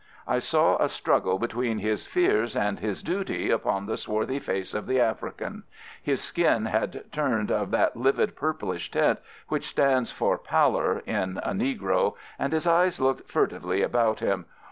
I saw a struggle between his fears and his duty upon the swarthy face of the African. His skin had turned of that livid purplish tint which stands for pallor in a negro, and his eyes looked furtively about him.